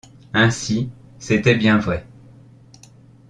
Ainsi, c’était bien vrai!